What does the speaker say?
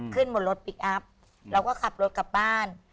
ขึ้นบนรถพลิกอัพเราก็ขับรถกลับบ้าน